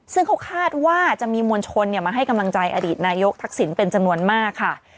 ซึ่งเขาคาดว่าจะมีมวลชนมาให้กำลังใจอดีตนายกทักษิณเป็นจำนวนมากค่ะ